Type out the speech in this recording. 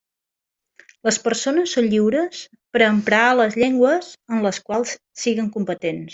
Les persones són lliures per a emprar les llengües en les quals siguen competents.